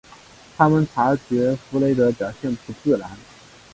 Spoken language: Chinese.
他们察觉弗雷德表现不自然。